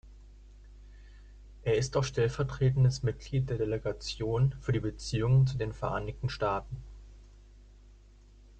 Er ist auch stellvertretendes Mitglied der Delegation für die Beziehungen zu den Vereinigten Staaten.